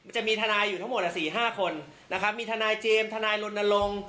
จะมีทนายอยู่ทั้งหมด๔๕คนนะครับมีทนายเจมส์ทนายลนลง